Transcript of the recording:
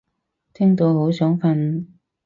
聽到好想瞓